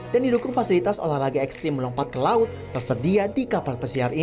dan didukung fasilitas olahraga ekstrim melompat ke laut tersedia di kapal